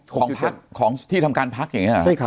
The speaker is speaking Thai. ของพักของที่ทำการพักอย่างนี้หรอ